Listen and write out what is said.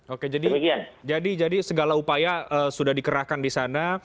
oke jadi segala upaya sudah dikerahkan di sana